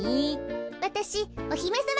わたしおひめさま